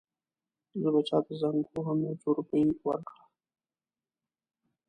زه به چاته زنګ ووهم یو څو روپۍ ورکړه.